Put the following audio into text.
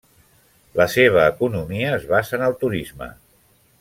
La seva economia s basa en el turisme.